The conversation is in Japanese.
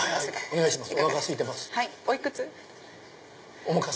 お願いします。